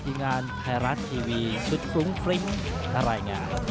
ทีมงานไทยรัฐทีวีชุดฟรุ้งฟริ้งรายงาน